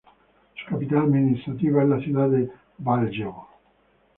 Su capital administrativa es la ciudad de Valjevo.